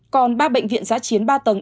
còn ba bệnh viện giá chiến ba tầng